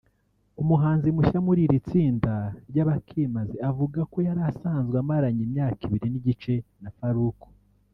umuhanzi mushya muri iri tsinda ry’Abakimaze avuga ko yari asanzwe amaranye imyaka ibiri n’igice na Faruku